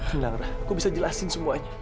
tidak ra aku bisa jelasin semuanya